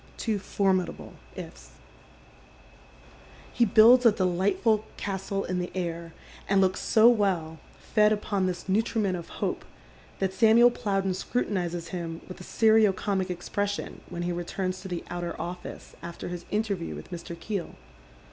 Two forminable " ifs." He builds a dehglitful castle in the air, and looks so well, fed upon this nutriment of hope, that Samuel Plowden scrutinizes him with a serio comic expression when he returns to the outer office after his interview with Mr. Keel.